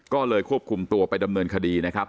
ก็เลยควบคุมตัวไปดำเนินคดีนะครับ